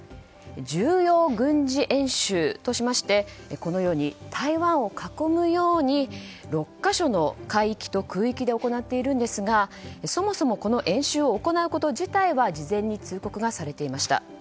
重要軍事演習としましてこのように台湾を囲むように６か所の海域と空域で行っているんですがそもそもこの演習を行うこと自体は事前に通告がされていました。